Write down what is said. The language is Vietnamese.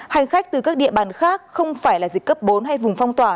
hành khách từ các địa bàn khác không phải là dịch cấp bốn hay vùng phong tỏa